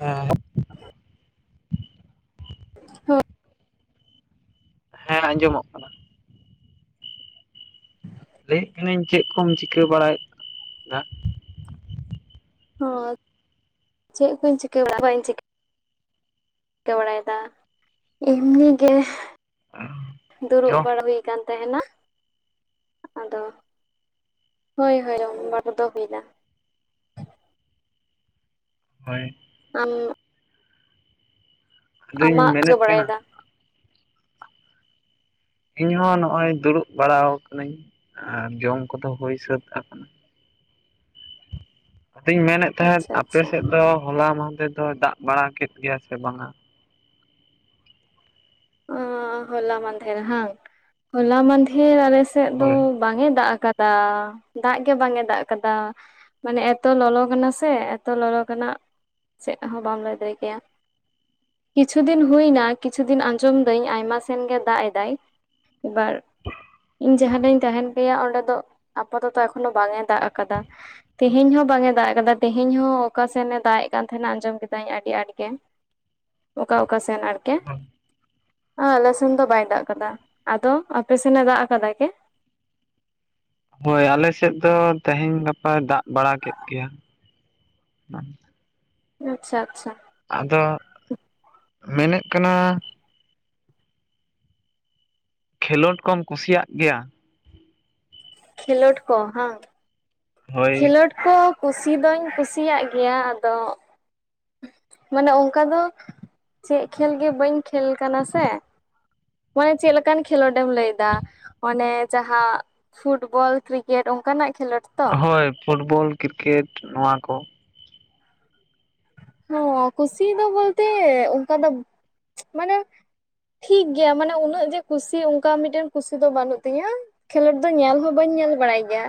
ᱦᱮᱸᱻ [inaudible] ᱦᱳᱸᱻ ᱦᱮᱸᱻ ᱟᱸᱡᱚᱼᱢᱚᱜᱼᱟ ᱼᱼᱼ ᱞᱟᱹᱭᱮᱫ ᱠᱟᱹᱱᱟᱹᱧ, ᱪᱮᱫ ᱠᱚᱢ ᱪᱤᱠᱟᱹ ᱵᱟᱲᱟᱭᱮᱫ? ᱦᱚᱸᱼ ᱪᱮᱫ ᱠᱚᱧ ᱪᱤᱠᱟᱹ ᱵᱟᱹᱧ ᱪᱤᱠᱟᱹ ᱪᱤᱠᱟᱹ ᱵᱟᱲᱟᱭᱮᱫᱟ᱾ ᱮᱢᱱᱤ ᱜᱮ ᱫᱩᱲᱩᱵ ᱪᱚ ᱵᱟᱲᱟ᱾ ᱠᱟᱱ ᱛᱟᱦᱮᱸᱱᱟ ᱟᱫᱚ ᱦᱳᱭ - ᱦᱳᱭ ᱚᱱᱟ ᱠᱚᱫᱚ ᱵᱮᱞᱟ ᱦᱳᱭᱼᱼᱼ ᱟᱨᱢᱼᱼᱼ ᱟᱫᱚᱧ ᱟᱢᱟᱜ ᱪᱚ ᱢᱮᱱᱮᱫ ᱠᱟᱱᱟ ᱵᱟᱲᱟᱭᱮᱫᱼᱟ᱾ ᱤᱧ ᱦᱚᱸ ᱱᱚᱜᱼᱚᱭ ᱫᱩᱲᱩᱵ ᱵᱟᱲᱟ ᱟᱠᱟᱱᱟᱹᱧ, ᱟᱨ ᱡᱚᱢ ᱠᱚᱼᱫᱚ ᱦᱩᱭ ᱥᱟᱹᱛ ᱟᱠᱟᱱᱟ᱾ ᱟᱫᱩᱧ ᱢᱮᱱᱮᱫ ᱛᱟᱦᱮᱸᱫᱚ ᱟᱪᱪᱷᱟ ᱟᱯᱮ ᱟᱪᱪᱷᱟ ᱥᱮᱫ ᱫᱚ ᱦᱚᱞᱟ ᱢᱟᱫᱷᱮᱨ ᱫᱚ ᱫᱟᱜ ᱵᱟᱲᱟ ᱠᱮᱫ ᱜᱮᱭᱟ ᱥᱮ ᱵᱟᱝᱟ? ᱚᱸᱻ ᱦᱚᱞᱟ ᱢᱟᱫᱷᱮᱨ ᱦᱟᱝ ᱦᱚᱞᱟ ᱢᱟᱫᱷᱮᱨ ᱟᱞᱮᱥᱮᱫ ᱫᱚᱼᱼ ᱦᱳᱭ ᱵᱟᱝ ᱮ ᱫᱟᱜ ᱟᱠᱟᱫᱟ ᱾ ᱫᱟᱜ ᱜᱮ ᱵᱟᱝ ᱮ ᱫᱟᱜ ᱟᱠᱟᱫᱟ᱾ ᱢᱟᱱᱮ ᱮᱛᱚ ᱞᱚᱞᱚ ᱠᱟᱱᱟ ᱥᱮ, ᱮᱛᱚ ᱞᱚᱞᱚ ᱠᱟᱱᱟ᱾ ᱪᱮᱫ ᱦᱚᱸ ᱵᱟᱢ ᱞᱟᱹᱭ ᱫᱟᱲᱮ ᱠᱮᱭᱟ᱾ ᱠᱤᱪᱷᱩ ᱫᱤᱱ ᱦᱩᱭᱱᱟ ᱾ ᱠᱤᱪᱩ ᱫᱤᱱᱼᱼ ᱟᱸᱡᱚᱢ ᱫᱟᱹᱧ ᱟᱭᱢᱟ ᱥᱮᱱ ᱜᱮᱭ ᱫᱟᱜ ᱮ ᱫᱟᱭ ᱮᱵᱟᱨ ᱤᱧ ᱡᱟᱦᱟᱸᱱᱟᱜ ᱤᱧ ᱛᱟᱦᱮᱸᱱ ᱯᱮᱭᱟᱹᱜ ᱚᱸᱰᱮ ᱫᱚ ᱟᱯᱟ ᱛᱚᱼᱛᱚ ᱮᱠᱷᱚᱱᱚ ᱵᱟᱝ ᱮ ᱫᱟᱜ ᱟᱠᱟᱫᱟ᱾ ᱛᱮᱦᱮᱧ ᱦᱚᱸ ᱵᱟᱝ ᱮ ᱫᱟᱜ ᱠᱟᱫᱟ᱾ ᱛᱮᱦᱮᱧ ᱦᱚᱸ ᱚᱠᱟᱥᱮᱱᱮ ᱫᱟᱜ ᱮᱫ ᱠᱟᱱ ᱛᱟᱦᱮᱸᱫᱱᱟ ᱟᱸᱡᱚᱢ ᱠᱮᱫᱟᱹᱧ ᱟᱹᱰᱤ ᱟᱸᱴᱚ ᱜᱮ᱾ ᱚᱠᱟ ᱼ ᱚᱠᱟ ᱥᱮᱱ ᱟᱨᱠᱮ᱾ [inaudible] ᱟᱻ ᱟᱞᱮ ᱥᱮᱱ ᱫᱚ ᱵᱟᱭ ᱫᱟᱜ ᱠᱟᱫᱟ᱾ ᱟᱫᱚ ᱟᱯᱮᱥᱮᱱᱮ ᱫᱟᱜ ᱠᱟᱫᱟᱭ ᱠᱮ? ᱦᱳᱭ ᱟᱞᱮ ᱥᱮᱜ ᱫᱚ ᱛᱮᱦᱮᱧ ᱜᱟᱯᱟᱭ ᱫᱟᱜ ᱵᱟᱲᱟ ᱠᱮᱫ ᱜᱮᱭᱟ᱾ ᱟᱪᱪᱷᱟ ᱼ ᱟᱪᱪᱷᱟ ᱟᱫᱚ ᱢᱤᱱᱟᱹᱜ ᱠᱟᱱᱟ? ᱠᱷᱮᱞᱳᱰ ᱠᱚᱢ ᱠᱩᱥᱤᱭᱟᱜ ᱜᱮᱭᱟ? ᱠᱷᱮᱞᱳᱰ ᱠᱚ ᱦᱟᱝᱼᱼᱼ ᱦᱳᱭ ᱠᱷᱮᱞᱳᱴ ᱠᱚ ᱠᱩᱥᱤ ᱫᱚᱧ ᱠᱩᱥᱤᱭᱟᱼᱜ ᱜᱮᱭᱟ ᱟᱫᱚᱼᱼᱼ ᱢᱟᱱᱮ ᱚᱝᱠᱟ ᱫᱚ ᱪᱮᱫ ᱠᱷᱮᱞ ᱜᱮ ᱵᱟᱹᱧ ᱠᱷᱮᱞ ᱠᱟᱱᱟ ᱥᱮ! ᱢᱟᱱᱮ ᱪᱮᱫ ᱞᱮᱠᱟᱱ ᱠᱷᱮᱞᱳᱰ ᱮᱢ ᱞᱟᱹᱭ ᱫᱟ᱾ ᱚᱱᱮ ᱡᱟᱦᱟᱸ ᱯᱷᱩᱴᱵᱚᱞ, ᱠᱨᱤᱠᱮᱴ, ᱚᱝᱠᱟᱱᱟᱼᱜ ᱠᱷᱮᱞᱳᱰ ᱛᱚ ᱦᱳᱭ ᱯᱷᱩᱴᱵᱚᱞ, ᱠᱤᱨᱠᱮᱴ, ᱱᱚᱣᱟ ᱠᱚ᱾ ᱦᱚᱸᱻ ᱠᱩᱥᱤ ᱫᱚ ᱵᱚᱞᱛᱮ ᱚᱝᱠᱟ ᱫᱚ ᱢᱟᱱᱮᱼᱼᱼ ᱴᱷᱤᱠ ᱜᱮᱭᱟ ᱢᱟᱱᱮ ᱩᱱᱟᱹᱜ ᱡᱮ ᱠᱩᱥᱤ ᱚᱝᱠᱟ ᱢᱤᱫᱴᱮᱱ ᱠᱩᱥᱤ ᱫᱚ ᱵᱟᱹᱱᱩᱜ ᱛᱤᱧᱟᱹ᱾ ᱠᱷᱮᱞᱳᱰ ᱫᱚ ᱧᱮᱞ ᱦᱚᱸᱻ ᱵᱟᱹᱧ ᱧᱮᱞ ᱵᱟᱲᱟᱭ ᱜᱮᱭᱟ᱾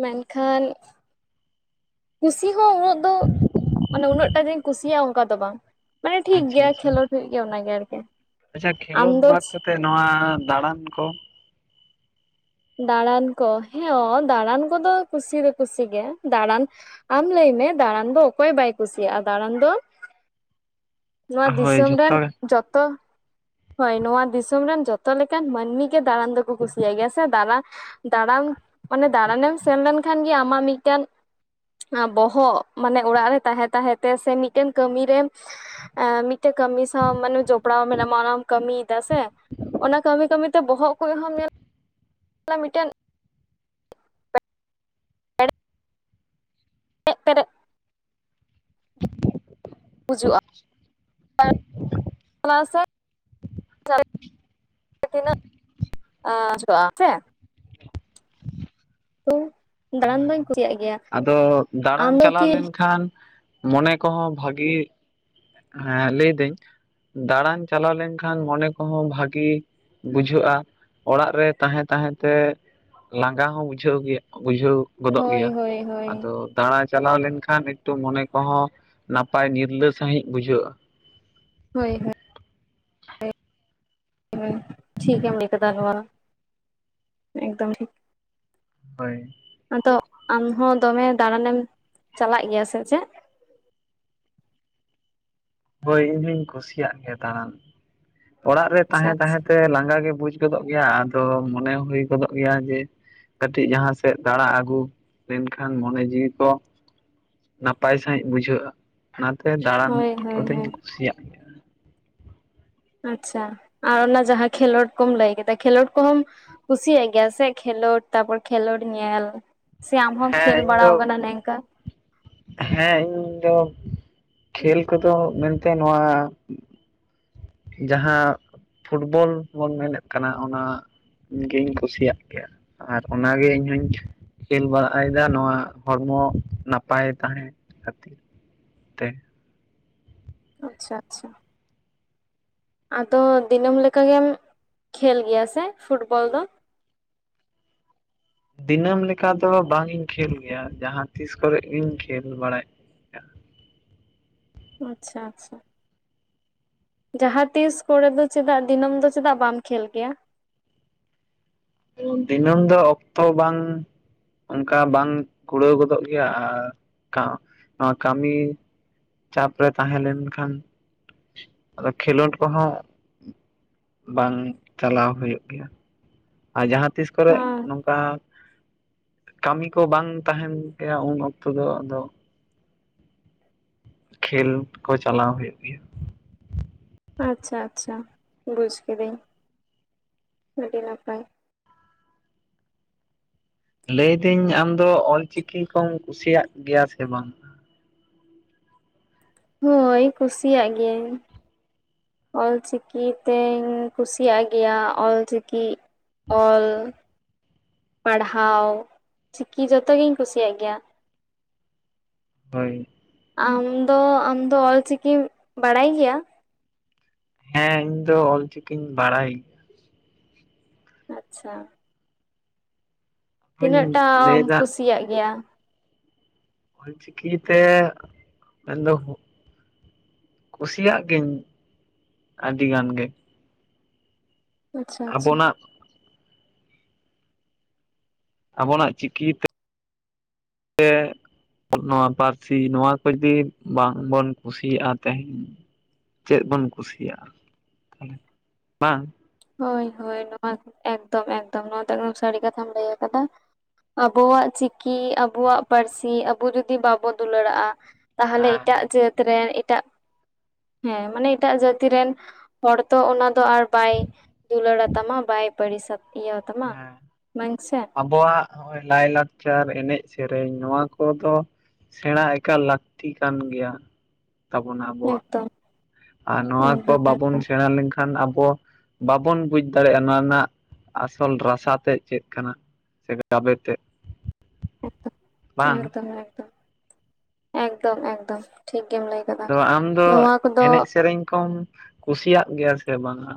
ᱢᱮᱱᱠᱷᱟᱱ ᱠᱩᱥᱤ ᱦᱚᱸ ᱩᱱᱟᱹᱜ ᱫᱚ ᱢᱟᱱᱮ ᱩᱱᱟᱹᱜ ᱴᱟᱜ ᱜᱤᱧ ᱠᱩᱥᱤᱭᱟᱜᱼᱟ ᱚᱝᱠᱟ ᱫᱚ ᱵᱟᱝ ᱢᱟᱱᱮ ᱴᱷᱤᱠ ᱟᱪᱪᱷᱟ ᱜᱮᱭᱟ ᱟᱪᱪᱷᱟ ᱠᱷᱮᱞᱳᱰ ᱦᱩᱭᱩᱜ ᱜᱮᱭᱟ ᱚᱱᱟᱜᱮ ᱟᱨᱠᱤ ᱟᱢ ᱫᱚᱪ ᱛᱮ ᱱᱚᱣᱟ ᱫᱟᱬᱟᱱ ᱠᱚ ᱫᱟᱬᱟᱱ ᱠᱚ ᱦᱮᱸ ᱫᱟᱬᱟᱱ ᱠᱚᱫᱚ ᱠᱩᱥᱤ ᱫᱚ ᱠᱩᱥᱤ ᱜᱮ ᱫᱟᱬᱟᱱ ᱟᱢ ᱞᱟᱹᱭ ᱢᱮ ᱫᱟᱬᱟᱱ ᱫᱚ ᱚᱠᱚᱭ ᱵᱟᱭ ᱠᱩᱥᱤᱭᱟᱜᱼᱟ ᱫᱟᱬᱟᱱ ᱫᱚ [inaudible] ᱱᱚᱣᱟ ᱦᱳᱭ ᱫᱤᱥᱚᱢ ᱨᱮᱱ ᱡᱷᱚᱛᱚ ᱜᱮ ᱡᱚᱛᱚ ᱦᱚᱭ ᱱᱚᱣᱟ ᱫᱤᱥᱚᱢ ᱨᱮᱱ ᱡᱚᱛᱚ ᱞᱮᱠᱟᱱ ᱢᱟᱹᱱᱢᱤ ᱜᱮ ᱫᱟᱬᱟᱱ ᱫᱚᱠᱚ ᱠᱩᱥᱤᱭᱟᱜ ᱜᱮᱭᱟ ᱫᱟᱨᱟ ᱫᱟᱲᱟᱢ ᱢᱟᱱᱮ ᱫᱟᱬᱟᱱᱮᱢ ᱥᱮᱱ ᱞᱮᱱᱠᱷᱟᱱ ᱜᱮ ᱟᱢᱟᱜ ᱢᱤᱫᱴᱟᱱ ᱵᱚᱦᱚᱜ ᱢᱟᱱᱮ ᱚᱲᱟᱜ ᱨᱮ ᱛᱟᱦᱮ ᱛᱟᱦᱮ ᱛᱮ ᱥᱮ ᱢᱤᱫᱴᱮᱱ ᱠᱟᱹᱢᱤᱨᱮᱢ ᱢᱤᱫᱴᱮᱡ ᱠᱟᱹᱢᱤ ᱥᱟᱶ ᱢᱟᱱᱮ ᱡᱚᱯᱲᱟᱣ ᱢᱮᱱᱟᱢᱟ ᱚᱱᱟᱢ ᱠᱟᱹᱢᱤᱭᱮᱫᱟ ᱥᱮ ᱚᱱᱟ ᱠᱟᱹᱢᱤ ᱠᱟᱹᱢᱤᱛᱮ ᱵᱚᱦᱚᱜ ᱠᱚᱡ ᱦᱚᱢ ᱧᱮᱞ ᱛᱟᱞᱮ ᱢᱤᱫᱴᱟᱱ ᱲ ᱮᱜ ᱯᱮᱨᱮᱜ ᱵᱩᱡᱩᱜᱼᱟ [inaudible] ᱛᱟᱞᱟ ᱥᱮ [unintelligible] ᱛᱤᱱᱟᱹᱜ [unintelligible] ᱩ ᱦᱚᱭ ᱟᱫᱚ ᱟᱢ ᱫᱟᱬᱟᱱ ᱫᱚ ᱪᱟᱞᱟᱣ ᱠᱤ ᱞᱮᱱᱠᱷᱟᱱ ᱢᱚᱱᱮ ᱠᱚᱦᱚᱸ ᱵᱷᱟᱹᱜᱤ ᱦᱮᱸ ᱞᱟᱹᱭᱫᱟᱹᱧ ᱫᱟᱬᱟᱱ ᱪᱟᱞᱟᱣ ᱞᱮᱱᱠᱷᱟᱱ ᱢᱚᱱᱮ ᱠᱚᱦᱚᱸ ᱵᱷᱟᱹᱜᱤ ᱵᱩᱡᱷᱟᱹᱜᱼᱟ ᱚᱲᱟᱜ ᱨᱮ ᱛᱟᱦᱮᱸ ᱛᱟᱦᱮᱸ ᱛᱮ ᱞᱟᱸᱜᱟ ᱦᱚᱸ ᱵᱩᱡᱷᱟᱹᱣ ᱜᱮᱭᱟ ᱵᱩᱡᱷᱟᱹᱣ ᱜᱚᱫᱚᱜ ᱦᱳᱭ ᱜᱮᱭᱟ ᱦᱳᱭ ᱦᱳᱭ ᱟᱫᱚ ᱫᱟᱬᱟ ᱪᱟᱞᱟᱣ ᱞᱮᱱᱠᱷᱟᱱ ᱮᱠᱴᱩ ᱢᱚᱱᱮ ᱠᱚᱦᱚᱸ ᱱᱟᱯᱟᱭ ᱱᱤᱨᱞᱟᱹ ᱥᱟᱺᱦᱤᱡ ᱵᱩᱡᱷᱟᱹᱜᱼᱟ ᱦᱳᱭ ᱦᱚᱭ ᱨᱮ ᱴᱷᱤᱠᱮᱢ ᱞᱟᱹᱭ ᱠᱟᱫᱟ ᱱᱚᱣᱟ ᱮᱠᱫᱚᱢ ᱴᱷᱤᱠ ᱦᱳᱭ ᱟᱫᱚ ᱟᱢ ᱦᱚᱸ ᱫᱚᱢᱮ ᱫᱟᱬᱟᱱᱮᱢ ᱪᱟᱞᱟᱜ ᱜᱮᱭᱟ ᱥᱮ ᱪᱮᱫ ᱦᱳᱭ ᱤᱧᱦᱩᱧ ᱠᱩᱥᱤᱭᱟᱜ ᱜᱮᱭᱟ ᱫᱟᱬᱟᱱ ᱚᱲᱟᱜ ᱨᱮ ᱟᱪᱪᱷᱟ ᱛᱟᱦᱮᱸ ᱟᱪᱪᱷᱟ ᱛᱟᱦᱮᱸ ᱛᱮ ᱞᱟᱸᱜᱟ ᱜᱮ ᱵᱩᱡᱽ ᱜᱚᱫᱚᱜ ᱜᱮᱭᱟ ᱟᱫᱚ ᱢᱚᱱᱮ ᱦᱩᱭ ᱜᱚᱫᱚᱜ ᱜᱮᱭᱟ ᱡᱮ ᱠᱟᱹᱴᱤᱡ ᱡᱟᱦᱟᱸ ᱥᱮᱜ ᱫᱟᱬᱟ ᱟᱹᱜᱩ ᱞᱮᱱᱠᱷᱟᱱ ᱢᱚᱱᱮ ᱡᱤᱣᱤ ᱠᱚ ᱱᱟᱯᱟᱭ ᱥᱟᱺᱦᱤᱡ ᱵᱩᱡᱷᱟᱹᱜᱼᱟ ᱚᱱᱟᱛᱮ ᱫᱟᱬᱟᱱ ᱦᱳᱭ ᱦᱳᱭ ᱠᱚᱫᱚᱧ ᱦᱳᱭ ᱠᱩᱥᱤᱭᱟᱜ ᱜᱮᱭᱟ ᱟᱪᱪᱷᱟ ᱟᱨ ᱚᱱᱟ ᱡᱟᱸᱦᱟᱸ ᱠᱷᱮᱞᱚᱰ ᱠᱚᱢ ᱞᱟᱹᱭ ᱠᱮᱫᱟ ᱠᱷᱮᱞᱚᱰ ᱠᱚᱦᱚᱸᱢ ᱠᱩᱥᱤᱭᱟᱜ ᱜᱮᱭᱟ ᱥᱮ ᱠᱷᱮᱞᱚᱰ ᱛᱟᱯᱚᱨ ᱠᱷᱮᱞᱚᱰ ᱧᱮᱞ ᱥᱮ ᱟᱢ ᱦᱚᱢ ᱦᱮᱸ ᱠᱷᱮᱞ ᱤᱧ ᱵᱟᱲᱟᱣ ᱫᱚ ᱠᱟᱱᱟ ᱱᱮᱝᱠᱟ ᱦᱮᱸ ᱤᱧᱫᱚ ᱠᱷᱮᱞ ᱠᱚᱫᱚ ᱢᱮᱱᱛᱮ ᱱᱚᱣᱟ ᱡᱟᱸᱦᱟᱸ ᱯᱷᱩᱴᱵᱚᱞ ᱵᱚᱱ ᱢᱮᱱᱮᱫ ᱠᱟᱱᱟ ᱚᱱᱟ ᱜᱤᱧ ᱠᱩᱥᱤᱭᱟᱜ ᱜᱮᱭᱟ ᱟᱨ ᱚᱱᱟ ᱜᱮ ᱤᱧᱦᱩᱧ ᱠᱷᱮᱞ ᱵᱟᱲᱟᱭᱮᱫᱟ ᱱᱚᱣᱟ ᱦᱚᱲᱢᱚ ᱱᱟᱯᱟᱭ ᱛᱟᱸᱦᱮᱸ ᱠᱷᱟᱹᱛᱤᱨ ᱛᱮ ᱟᱪᱪᱷᱟ ᱪᱷᱟ ᱟᱫᱚ ᱫᱤᱱᱟᱹᱢ ᱞᱮᱠᱟ ᱜᱮᱢ ᱠᱷᱮᱞ ᱜᱮᱭᱟ ᱥᱮ ᱯᱷᱩᱴᱵᱚᱞ ᱫᱚ ᱫᱤᱱᱟᱹᱢ ᱞᱮᱠᱟ ᱫᱚ ᱵᱟᱝ ᱤᱧ ᱠᱷᱮᱞ ᱜᱮᱭᱟ ᱡᱟᱸᱦᱟᱸ ᱛᱤᱥ ᱠᱚᱨᱮᱜ ᱜᱤᱧ ᱠᱷᱮᱞ ᱵᱟᱲᱟᱭ ᱟᱪᱪᱷᱟ ᱪᱷᱟ ᱡᱟᱸᱦᱟᱸ ᱛᱤᱥ ᱠᱚᱨᱮ ᱫᱚ ᱪᱮᱫᱟᱜ ᱫᱤᱱᱟᱹᱢ ᱫᱚ ᱪᱮᱫᱟᱜ ᱵᱟᱢ ᱠᱷᱮᱞ ᱠᱮᱭᱟ ᱫᱤᱱᱟᱹᱢ ᱫᱚ ᱚᱠᱛᱚ ᱵᱟᱝ ᱚᱱᱠᱟ ᱵᱟᱝ ᱠᱩᱲᱟᱹᱣ ᱜᱚᱫᱚᱜ ᱜᱮᱭᱟ ᱟᱨ ᱱᱚᱣᱟ ᱠᱟᱢᱤ ᱪᱟᱯᱨᱮ ᱛᱟᱸᱦᱮᱸ ᱞᱮᱱᱠᱷᱟᱱ ᱟᱫᱚ ᱠᱷᱮᱞᱚᱰ ᱠᱚᱸᱦᱚᱸ ᱵᱟᱝ ᱪᱟᱞᱟᱣ ᱦᱩᱭᱩᱜ ᱜᱮᱭᱟ ᱟᱨ ᱡᱟᱸᱦᱟᱸ ᱛᱤᱥ ᱠᱚᱨᱮᱜ ᱚᱸ ᱱᱚᱝᱠᱟ ᱠᱟᱢᱤ ᱠᱚ ᱵᱟᱝ ᱛᱟᱦᱮᱱ ᱜᱮᱭᱟ ᱩᱱ ᱚᱠᱛᱚ ᱫᱚ ᱟᱫᱚ ᱠᱷᱮᱞ ᱠᱚ ᱪᱟᱞᱟᱣ ᱦᱳᱭᱳᱜ ᱜᱮᱭᱟ ᱟᱪᱪᱷᱟ ᱟᱪᱪᱷᱟ ᱵᱩᱡᱽ ᱠᱤᱫᱟᱹᱧ ᱟᱹᱰᱤ ᱱᱟᱯᱟᱭ ᱞᱟᱹᱭ ᱫᱟᱹᱧ ᱟᱢᱫᱚ ᱚᱞᱪᱤᱠᱤ ᱠᱚᱢ ᱠᱩᱥᱤᱭᱟᱜ ᱜᱮᱭᱟ ᱥᱮ ᱵᱟᱝ ᱦᱳᱭ ᱠᱩᱥᱤᱭᱟᱜ ᱜᱤᱭᱟᱹᱧ ᱚᱞᱪᱤᱠᱤ ᱛᱮᱧ ᱠᱩᱥᱤᱭᱟᱜ ᱜᱮᱭᱟ ᱚᱞᱪᱤᱠᱤ ᱚᱞ ᱯᱟᱲᱦᱟᱣ ᱪᱤᱠᱤ ᱡᱚᱛᱚᱜᱤᱧ ᱠᱩᱥᱤᱭᱟᱜ ᱜᱮᱭᱟ ᱦᱚᱭ ᱟᱢ ᱫᱚ ᱟᱢᱫᱚ ᱚᱞᱪᱤᱠᱤᱢ ᱵᱟᱲᱟᱭ ᱜᱮᱭᱟ ᱦᱮᱸ ᱤᱧ ᱫᱚ ᱚᱞᱪᱤᱠᱤᱧ ᱵᱟᱲᱟᱭ ᱟᱪᱪᱷᱟ ᱛᱤᱱᱟᱹᱜ ᱦᱚᱧ ᱴᱟᱢ ᱞᱟᱹᱭᱫᱟ ᱠᱩᱥᱤᱭᱟᱜ ᱜᱮᱭᱟ ᱚᱞ ᱪᱤᱠᱤᱛᱮ ᱮᱱᱫᱚ ᱠᱩᱥᱤᱭᱟᱜ ᱜᱤᱧ ᱟᱰᱤ ᱜᱟᱱ ᱜᱮ ᱩᱸ ᱟᱪᱪᱷᱟ ᱟᱪᱪᱷᱟ ᱟᱵᱚᱱᱟᱜ ᱟᱵᱚᱱᱟᱜ ᱪᱤᱠᱤ ᱛᱮᱜ ᱜᱮ ᱱᱚᱣᱟ ᱯᱟᱨᱥᱤ ᱱᱚᱣᱟ ᱠᱚ ᱡᱩᱫᱤ ᱵᱟᱝ ᱵᱚᱱ ᱠᱩᱥᱤᱭᱟᱜᱼᱟ ᱛᱮᱧ ᱪᱮᱫ ᱵᱚᱱ ᱠᱩᱥᱤᱭᱟᱜᱼᱟ ᱛᱟᱞᱮ ᱵᱟᱝ ᱦᱳᱭ ᱦᱳᱭ ᱱᱚᱣᱟ ᱮᱠ ᱫᱚᱢ ᱮᱠᱫᱚᱢ ᱱᱚᱣᱟ ᱫᱚ ᱮᱠᱫᱚᱢ ᱥᱟᱹᱨᱤ ᱠᱟᱛᱷᱟᱢ ᱞᱟᱹᱭ ᱟᱠᱟᱫᱟ ᱟᱵᱚᱣᱟᱜ ᱪᱤᱠᱤ ᱟᱵᱚᱣᱟᱜ ᱯᱟᱨᱥᱤ ᱟᱵᱚ ᱡᱚᱫᱤ ᱵᱟᱵᱚ ᱫᱩᱞᱟᱹᱲᱟᱜᱼᱟ ᱛᱟᱦᱞᱮ ᱦᱮᱸ ᱮᱴᱟᱜ ᱡᱟᱹᱛ ᱨᱮ ᱮᱴᱟᱜ ᱦᱮᱸ ᱢᱟᱱᱮ ᱮᱴᱟᱜ ᱡᱟᱹᱛᱤ ᱨᱮᱱ ᱦᱚᱲ ᱛᱚ ᱚᱱᱟ ᱫᱚ ᱟᱨ ᱵᱟᱭ ᱫᱩᱞᱟᱹᱲᱟ ᱛᱟᱢᱟ ᱵᱟᱭ ᱯᱟᱲᱤᱥᱟᱛ ᱤᱭᱟᱹ ᱛᱟᱢᱟ ᱢᱟᱹᱱᱥᱮ ᱵᱚᱣᱟᱜ ᱦᱚᱸᱜᱼᱚᱭ ᱞᱟᱭ ᱞᱟᱠᱪᱟᱨ ᱮᱱᱮᱡ ᱥᱮᱨᱮᱧ ᱱᱚᱣᱟ ᱠᱚᱫᱚ ᱥᱮᱬᱟ ᱮᱠᱟᱞ ᱞᱟᱠᱛᱤ ᱠᱟᱱ ᱜᱮᱭᱟ ᱛᱟᱵᱚᱱᱟ ᱟᱵᱚᱣᱟᱜ ᱮᱠᱫᱚᱢ ᱟᱨ ᱱᱚᱣᱟ ᱠᱚ ᱮᱠᱫᱚᱢ ᱵᱟᱵᱚᱱ ᱮᱠᱫᱚᱢ ᱥᱮᱬᱟ ᱞᱮᱱ ᱠᱷᱟᱱ ᱟᱵᱚ ᱵᱟᱵᱚᱱ ᱵᱩᱡᱽ ᱫᱟᱲᱮᱭᱟᱜᱼᱟ ᱱᱚᱣᱟ ᱨᱮᱱᱟᱜ ᱟᱥᱚᱞ ᱨᱟᱥᱟ ᱛᱮᱜ ᱪᱮᱫ ᱠᱟᱱᱟ ᱥᱮ ᱜᱟᱵᱮ ᱛᱮᱜ ᱮᱠ ᱫᱚ ᱮᱠᱫᱚᱢ ᱮᱠᱫᱚᱢ ᱮᱠᱫᱚᱢ ᱮᱠᱫᱚᱢ ᱴᱷᱤᱠ ᱜᱮᱢ ᱞᱟᱹᱭ ᱠᱟᱫᱟ ᱟᱫᱚ ᱟᱢ ᱫᱚ ᱱᱚᱣᱟ ᱠᱚᱫᱚ ᱮᱱᱮᱡ ᱥᱮᱨᱮᱧ ᱠᱚᱢ ᱠᱩᱥᱤᱭᱟᱜ ᱜᱮᱭᱟ ᱥᱮ ᱵᱟᱝᱼᱟ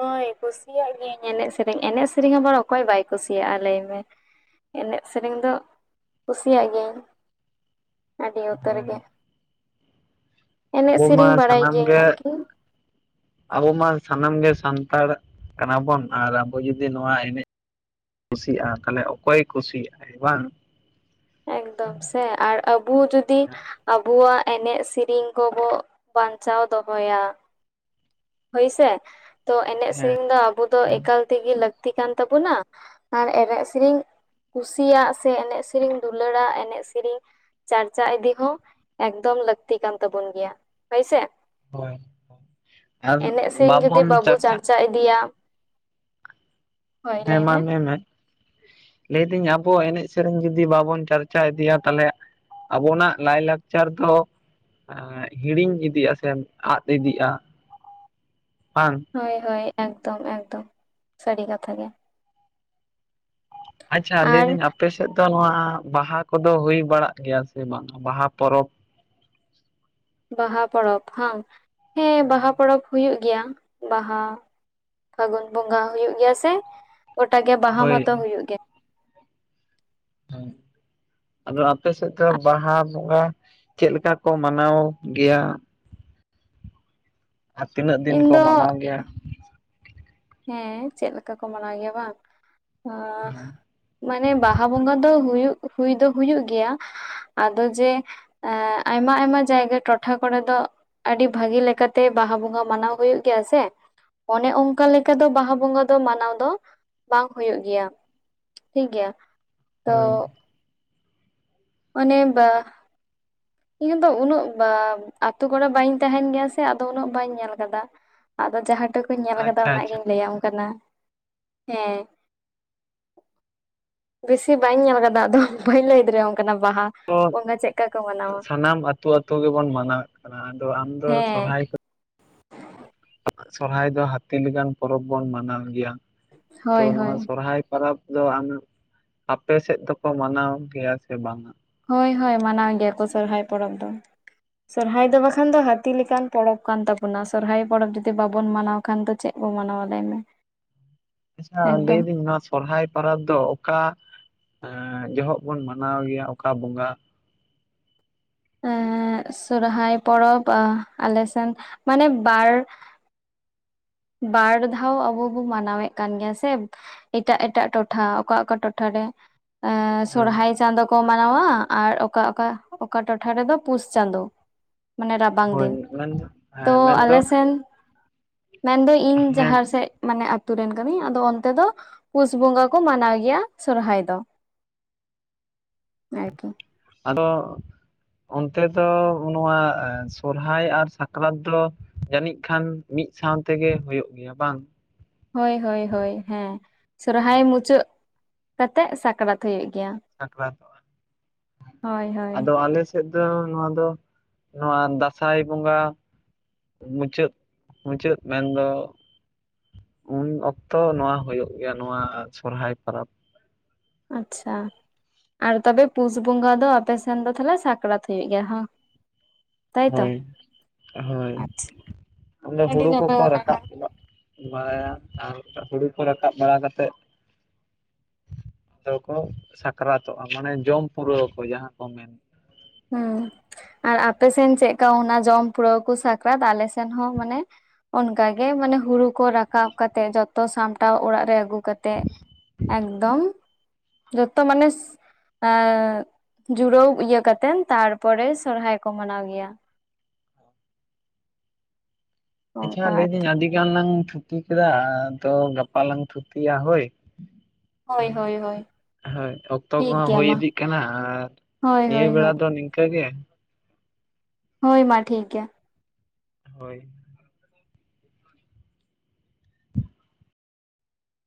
ᱦᱳᱭ ᱠᱩᱥᱤᱭᱟᱜ ᱜᱤᱭᱟᱹᱧ ᱮᱱᱮᱡ ᱥᱮᱨᱮᱧ ᱮᱱᱮᱡ ᱥᱮᱨᱮᱧ ᱟᱵᱟᱨ ᱚᱠᱚᱭ ᱵᱟᱭ ᱠᱩᱥᱤᱭᱟᱜᱼᱟ ᱞᱟᱹᱭ ᱢᱮ ᱮᱱᱮᱡ ᱥᱮᱨᱮᱧ ᱫᱚ ᱠᱩᱥᱤᱭᱟᱜ ᱜᱤᱭᱟᱹᱧ ᱟᱰᱤ ᱩᱛᱟᱹᱨ ᱜᱮ ᱦᱳᱭ ᱮᱱᱮᱡ ᱟᱵᱚ ᱢᱟ ᱥᱮᱨᱮᱧ ᱵᱟᱲᱟᱭ ᱜᱤᱭᱟᱹᱧ ᱥᱟᱱᱟᱢᱜᱮ ᱟᱨᱠᱤ ᱟᱵᱚ ᱢᱟ ᱥᱟᱱᱟᱢ ᱜᱮ ᱥᱟᱱᱛᱟᱲ ᱠᱟᱱᱟᱵᱚᱱ ᱟᱨ ᱟᱵᱚ ᱡᱩᱫᱤ ᱱᱚᱣᱟ ᱮᱱᱮᱡ ᱠᱩᱥᱤᱟᱜᱼᱟ ᱛᱟᱦᱚᱞᱮ ᱚᱠᱚᱭ ᱠᱩᱥᱤᱭᱟᱜᱼ ᱟ ᱵᱟᱝ ᱮᱠᱫᱚᱢ ᱥᱮ ᱟᱨ ᱟᱵᱚ ᱡᱩᱫᱤ ᱦᱮᱸ ᱟᱵᱩᱣᱟᱜ ᱮᱱᱮᱡ ᱥᱮᱨᱮᱧ ᱠᱚᱵᱚ ᱵᱟᱧᱪᱟᱣ ᱫᱚᱦᱚᱭᱟ ᱦᱳᱭᱥᱮ ᱛᱚ ᱮᱱᱮᱡ ᱥᱮᱨᱮᱧ ᱦᱮᱸ ᱫᱚ ᱟᱵᱚ ᱫᱚ ᱮᱠᱟᱞ ᱛᱮᱜᱮ ᱞᱟᱹᱠᱛᱤ ᱠᱟᱱ ᱛᱟᱵᱚᱱᱟ ᱟᱨ ᱮᱱᱮᱡ ᱥᱤᱨᱤᱧ ᱠᱩᱥᱤᱭᱟᱜ ᱥᱮ ᱮᱱᱮᱡ ᱥᱮᱨᱮᱧ ᱫᱩᱞᱟᱹᱲᱟ ᱮᱱᱮᱡ ᱥᱮᱨᱮᱧ ᱪᱟᱨᱪᱟ ᱤᱫᱤ ᱦᱚᱸ ᱮᱠᱫᱚᱢ ᱞᱟᱹᱠᱛᱤ ᱠᱟᱱ ᱛᱟᱵᱚᱱ ᱜᱮᱭᱟ ᱦᱚᱭᱥᱮ ᱦᱳᱭ ᱟᱨ ᱮᱱᱮᱡ ᱥᱮᱨᱮᱧ ᱡᱚᱫᱤ ᱵᱟᱵᱚᱱ ᱵᱟᱵᱚ ᱪᱟᱨᱪᱟᱜ ᱪᱟᱨᱪᱟ ᱤᱫᱤᱭᱟ ᱦᱳᱭ ᱦᱮᱸ ᱞᱟᱹᱭ ᱢᱟ ᱢᱮ ᱢᱮ ᱞᱟᱹᱭᱫᱟᱹᱧ ᱟᱵᱚᱣᱟᱜ ᱮᱱᱮᱡ ᱥᱮᱨᱮᱧ ᱡᱩᱫᱤ ᱵᱟᱵᱚᱱ ᱪᱟᱨᱪᱟ ᱤᱫᱤᱭᱟ ᱛᱟᱞᱮ ᱟᱵᱚᱱᱟᱜ ᱞᱟᱭᱼᱞᱟᱠᱪᱟᱨ ᱫᱚ ᱟᱸ ᱦᱤᱲᱤᱧ ᱤᱫᱤᱜᱼᱟ ᱥᱮ ᱟᱫ ᱤᱫᱤᱜᱼᱟ ᱵᱟᱝ ᱦᱳᱭ ᱦᱳᱭ ᱮᱠᱫᱚᱢ ᱮᱠᱫᱚᱢ ᱥᱟᱹᱨᱤ ᱠᱟᱛᱷᱟ ᱜᱮ ᱟᱪᱪᱷᱟ ᱟᱨ ᱞᱟᱹᱭᱫᱟᱹᱧ ᱟᱯᱮ ᱥᱮᱫ ᱫᱚ ᱱᱚᱣᱟ ᱵᱟᱦᱟ ᱠᱚᱫᱚ ᱦᱩᱭ ᱵᱟᱲᱟᱜ ᱜᱮᱭᱟ ᱥᱮ ᱵᱟᱝ ᱵᱟᱦᱟ ᱯᱚᱨᱚᱵᱽ ᱵᱟᱦᱟ ᱯᱚᱨᱚᱵᱽ ᱦᱟᱝ ᱦᱮᱸ ᱵᱟᱦᱟ ᱯᱚᱨᱚᱵᱽ ᱦᱩᱭᱩᱜ ᱜᱮᱭᱟ ᱵᱟᱦᱟ ᱯᱷᱟᱹᱜᱩᱱ ᱵᱚᱸᱜᱟ ᱦᱩᱭᱩᱜ ᱜᱮᱭᱟ ᱥᱮ ᱜᱚᱴᱟ ᱜᱮ ᱵᱟᱦᱟ ᱦᱳᱭ ᱢᱟᱛᱚ ᱦᱩᱭᱩᱜ ᱜᱮ ᱦᱮᱸ ᱟᱫᱚ ᱟᱯᱮ ᱥᱮᱫ ᱫᱚ ᱵᱟᱦᱟ ᱵᱚᱸᱜᱟ ᱪᱮᱫ ᱞᱮᱠᱟ ᱠᱚ ᱢᱟᱱᱟᱣ ᱜᱮᱭᱟ ᱟᱨ ᱛᱤᱱᱟᱹᱜ ᱫᱤᱱ ᱤᱧ ᱠᱚ ᱫᱚ ᱢᱟᱱᱟᱣ ᱜᱮᱭᱟ ᱦᱮᱸ ᱪᱮᱫ ᱞᱮᱠᱟ ᱠᱚ ᱢᱟᱱᱟᱣ ᱜᱮᱭᱟ ᱵᱟᱝ ᱦᱟᱸ ᱢᱟᱱᱮ ᱵᱟᱦᱟ ᱵᱚᱸᱜᱟ ᱫᱚ ᱦᱩᱭᱩᱜ ᱦᱩᱭ ᱫᱚ ᱦᱩᱭᱩᱜ ᱜᱮᱭᱟ ᱟᱫᱚ ᱡᱮ ᱟᱭᱢᱟ ᱟᱭᱢᱟ ᱡᱟᱭᱜᱟ ᱴᱚᱴᱷᱟ ᱠᱚᱨᱮ ᱫᱚ ᱟᱹᱰᱤ ᱵᱷᱟᱹᱜᱤ ᱞᱮᱠᱟ ᱛᱮ ᱵᱟᱦᱟ ᱵᱚᱸᱜᱟ ᱢᱟᱱᱟᱣ ᱦᱩᱭᱩᱜ ᱜᱮᱭᱟ ᱥᱮ ᱚᱱᱮ ᱚᱱ ᱚᱱᱠᱟ ᱞᱮᱠᱟ ᱫᱚ ᱵᱟᱦᱟ ᱵᱚᱸᱜᱟ ᱫᱚ ᱢᱟᱱᱟᱣ ᱫᱚ ᱵᱟᱝ ᱦᱩᱭᱩᱜ ᱜᱮᱭᱟ ᱴᱷᱤᱠ ᱜᱮᱭᱟ ᱦᱳᱭ ᱛᱚ ᱢᱟᱱᱮ ᱵᱟ ᱤᱧ ᱫᱚ ᱩᱱᱟᱹᱜ ᱟᱛᱳ ᱠᱚᱨᱮ ᱵᱟᱹᱧ ᱛᱟᱦᱮᱱ ᱜᱮᱭᱟ ᱥᱮ ᱟᱫᱚ ᱩᱱᱟᱹᱜ ᱵᱟᱹᱧ ᱧᱮᱞ ᱟᱠᱟᱫᱟ ᱟᱫᱚ ᱡᱟᱸᱦᱟ ᱴᱚᱠᱩᱧ ᱧᱮᱞ ᱟᱠᱟᱫᱟ ᱟᱪᱪᱷᱟ ᱚᱱᱟ ᱟᱪᱪᱷᱟ ᱜᱤᱧ ᱞᱟᱹᱭ ᱟᱢ ᱠᱟᱱᱟ ᱦᱮᱸ ᱵᱮᱥᱤ ᱵᱟᱹᱧ ᱧᱮᱞ ᱟᱠᱟᱫᱟ ᱟᱫᱚ ᱵᱟᱹᱧ ᱞᱟᱹᱭ ᱫᱟᱲᱮᱭᱟᱢ ᱠᱟᱱᱟ ᱵᱟᱦᱟ ᱛᱚ ᱚᱱᱠᱟ ᱪᱮᱫᱠᱟ ᱠᱚ ᱢᱟᱱᱟᱣᱟ ᱥᱟᱱᱟᱢ ᱟᱹᱛᱩ ᱟᱹᱛᱩ ᱜᱮᱵᱚᱱ ᱢᱟᱱᱟᱣᱮᱫ ᱠᱟᱱᱟ ᱟᱫᱚ ᱟᱢ ᱫᱚ ᱦᱮᱸ ᱥᱚᱨᱦᱟᱭ ᱥᱚᱨᱦᱟᱭ ᱫᱚ ᱦᱟᱹᱛᱤ ᱞᱮᱠᱟᱱ ᱯᱚᱨᱚᱵᱽ ᱵᱩᱱ ᱢᱟᱱᱟᱣ ᱜᱮᱭᱟ ᱛᱚ ᱦᱳᱭ ᱱᱚᱣᱟ ᱦᱳᱭ ᱥᱚᱦᱨᱟᱭ ᱯᱚᱨᱚᱵᱽ ᱫᱚ ᱟᱢ ᱟᱯᱮ ᱥᱮᱫ ᱫᱚᱠᱚ ᱢᱟᱱᱟᱣ ᱜᱮᱭᱟ ᱥᱮ ᱵᱟᱝᱟ ᱦᱳᱭ ᱦᱳᱭ ᱢᱟᱱᱟᱣ ᱜᱮᱭᱟ ᱠᱚ ᱥᱚᱨᱦᱟᱭ ᱯᱚᱨᱚᱵᱽ ᱫᱚ ᱥᱚᱦᱨᱟᱭ ᱫᱚ ᱵᱟᱠᱷᱟᱱ ᱫᱚ ᱦᱟᱹᱛᱤ ᱞᱮᱠᱟᱱ ᱯᱚᱨᱚᱵᱽ ᱠᱟᱱ ᱛᱟᱵᱚᱱᱟ ᱥᱚᱨᱦᱟᱭ ᱯᱚᱨᱚᱵᱽ ᱡᱩᱫᱤ ᱵᱟᱵᱚᱱ ᱢᱟᱱᱟᱣ ᱵᱟᱠᱷᱟᱱ ᱫᱚ ᱪᱮᱫ ᱵᱚ ᱢᱟᱱᱟᱣᱟ ᱞᱟᱹᱭ ᱢᱮ ᱟᱪᱪᱷᱟ ᱞᱟᱹᱭ ᱮᱠᱫᱚᱢ ᱮᱫᱤᱧ ᱥᱚᱦᱛᱟᱭ ᱯᱚᱨᱚᱵᱽ ᱫᱚ ᱚᱠᱟ ᱡᱚᱦᱚᱜ ᱵᱚᱱ ᱢᱟᱱᱟᱣ ᱜᱮᱭᱟ ᱚᱠᱟ ᱵᱚᱸᱜᱟ ᱮᱸ ᱥᱚᱦᱨᱟᱭ ᱯᱚᱨᱚᱵᱽ ᱟᱞᱮ ᱥᱮᱱ ᱢᱟᱱᱮ ᱵᱟᱨ ᱵᱟᱨ ᱫᱷᱟᱣ ᱟᱵᱚ ᱵᱚᱱ ᱢᱟᱱᱟᱣᱮᱫ ᱠᱟᱱ ᱜᱮᱭᱟ ᱥᱮ ᱮᱴᱟᱜ ᱮᱴᱟᱜ ᱴᱚᱴᱷᱟ ᱚᱠᱟ ᱚᱠᱟ ᱴᱚᱴᱷᱟ ᱨᱮ ᱦᱳᱭ ᱥᱚᱨᱦᱟᱭ ᱪᱟᱸᱫᱳ ᱠᱚ ᱢᱟᱱᱟᱣᱟ ᱟᱨ ᱚᱠᱟ ᱚᱠᱟ ᱚᱠᱟ ᱴᱚᱴᱷᱟ ᱨᱮᱫᱚ ᱯᱩᱥ ᱪᱟᱸᱫᱳ ᱢᱟᱱᱮ ᱨᱟᱵᱟᱝ ᱦᱳᱭ ᱫᱤᱱ ᱢᱮᱱ ᱛᱚ ᱦᱮᱸ ᱢᱮᱱᱫᱚ ᱟᱞᱮ ᱥᱮᱱ ᱢᱮᱱ ᱫᱚ ᱤᱧ ᱦᱮᱸ ᱡᱟᱦᱟ ᱥᱮᱫ ᱢᱟᱱᱮ ᱟᱛᱩ ᱨᱮᱱ ᱠᱟᱹᱱᱟᱹᱧ ᱟᱫᱚ ᱚᱱᱛᱮ ᱫᱚ ᱯᱩᱥ ᱵᱚᱸᱜᱟ ᱠᱚ ᱢᱟᱱᱟᱣ ᱜᱮᱭᱟ ᱥᱚᱨᱦᱟᱭ ᱫᱚ [inaudible] ᱟᱨᱠᱤ ᱟᱫᱚ ᱚᱱᱛᱮ ᱫᱚ ᱱᱚᱣᱟ ᱥᱚᱨᱦᱟᱭ ᱟᱨ ᱥᱟᱠᱨᱟᱛ ᱫᱚ ᱡᱟᱹᱱᱤᱡ ᱠᱷᱟᱱ ᱢᱤᱫ ᱥᱟᱶ ᱛᱮᱜᱮ ᱦᱩᱭᱩᱜ ᱜᱮᱭᱟ ᱵᱟᱝ ᱦᱳᱭ ᱦᱳᱭ ᱦᱳᱭ ᱦᱮᱸ ᱥᱚᱨᱦᱟᱭ ᱢᱩᱪᱟᱹᱫ ᱠᱟᱛᱮᱜ ᱥᱟᱠᱨᱟᱛ ᱦᱩᱭᱩᱜ ᱜᱮᱭᱟ ᱥᱟᱠᱨᱟᱛᱚᱜ-ᱟ ᱦᱳᱭ ᱦᱳᱭ ᱟᱫᱚ ᱟᱞᱮ ᱥᱮᱫ ᱫᱚ ᱱᱚᱣᱟ ᱫᱚ ᱱᱚᱣᱟ ᱫᱟᱸᱥᱟᱭ ᱵᱚᱸᱜᱟ ᱢᱩᱪᱟᱹᱫ ᱢᱩᱪᱟᱹᱫ ᱢᱮᱱ ᱫᱚ ᱩᱱ ᱚᱠᱛᱚ ᱱᱚᱣᱟ ᱦᱩᱭᱩᱜ ᱜᱮᱭᱟ ᱱᱚᱣᱟ ᱥᱚᱨᱦᱟᱭ ᱯᱚᱨᱟᱵ ᱟᱪᱪᱷᱟ ᱟᱨ ᱛᱚᱵᱮ ᱯᱩᱥ ᱵᱚᱸᱜᱟ ᱫᱚ ᱟᱯᱮ ᱥᱮᱱ ᱫᱚ ᱛᱟᱦᱚᱞᱮ ᱥᱟᱠᱨᱟᱛ ᱦᱩᱭᱩᱜ ᱜᱮᱭᱟ ᱦᱚᱸ ᱛᱟᱭ ᱛᱚ ᱦᱳᱭ ᱦᱳᱭ ᱚᱸᱰᱮ ᱟᱹᱰᱤ ᱦᱩᱲᱩ ᱱᱟᱯᱟᱭ ᱠᱚᱠᱚ ᱚᱱᱟ ᱨᱟᱠᱟᱵ ᱦᱚᱸ ᱵᱟᱲᱟᱭᱟ ᱟᱨ ᱦᱩᱲᱩ ᱠᱚ ᱨᱟᱠᱟᱵ ᱵᱟᱲᱟ ᱠᱟᱛᱮᱫ ᱟᱫᱚ ᱠᱚ ᱥᱟᱠᱨᱟᱛᱚᱜ-ᱟ ᱢᱟᱱᱮ ᱡᱚᱢ ᱯᱩᱨᱟᱹᱣ ᱟᱠᱚ ᱡᱟᱦᱟᱸ ᱠᱚ ᱢᱮᱱ ᱦᱩᱸ ᱟᱨ ᱟᱯᱮ ᱥᱮᱱ ᱪᱮᱫᱠᱟ ᱚᱱᱟ ᱡᱚᱢ ᱯᱩᱨᱟᱹᱣ ᱠᱚ ᱥᱟᱠᱨᱟᱛ ᱟᱞᱮ ᱥᱮᱱ ᱦᱚᱸ ᱢᱟᱱᱮ ᱚᱱᱠᱟ ᱜᱮ ᱢᱟᱱᱮ ᱦᱩᱲᱩ ᱠᱚ ᱨᱟᱠᱟᱵ ᱠᱟᱛᱮᱜ ᱡᱚᱛᱚ ᱥᱟᱢᱴᱟᱣ ᱚᱲᱟᱜ ᱨᱮ ᱟᱹᱜᱩ ᱠᱟᱛᱮᱜ ᱮᱠᱫᱚᱢ ᱡᱚᱛᱚ ᱢᱟᱱᱮ ᱡᱩᱲᱳᱣ ᱤᱭᱟᱹ ᱠᱟᱛᱮ ᱠᱟᱛᱮᱫ ᱛᱟᱨᱯᱚᱨᱮ ᱥᱚᱨᱦᱟᱭ ᱠᱚ ᱢᱟᱱᱟᱣ ᱜᱮᱭᱟ ᱟᱪᱪᱷᱟ ᱚᱱᱠᱟ ᱞᱟᱹᱭ ᱫᱟᱹᱧ ᱟᱨᱠᱤ᱾ ᱟᱹᱰᱤ ᱜᱟᱱ ᱞᱟᱝ ᱛᱷᱩᱛᱤ ᱠᱮᱫᱟ ᱟᱫᱚ ᱜᱟᱯᱟ ᱞᱟᱝ ᱛᱷᱩᱛᱤᱭᱟ ᱦᱳᱭ ᱦᱳᱭ ᱦᱳᱭ ᱦᱳᱭ ᱦᱳᱭ ᱚᱠᱛᱚ ᱴᱷᱤᱠ ᱠᱚᱦᱚᱸ ᱜᱮᱭᱟ ᱦᱩᱭ ᱢᱟ ᱤᱫᱤᱜ ᱠᱟᱱᱟ ᱟᱨ ᱦᱳᱭ ᱦᱳᱭ ᱱᱤᱭᱟᱹ ᱵᱮᱲᱟ ᱦᱳᱭ ᱫᱚ ᱱᱤᱝᱠᱟᱹ ᱜᱮ ᱦᱳᱭ ᱢᱟ ᱴᱷᱤᱠ ᱜᱮᱭᱟ ᱦᱳᱭ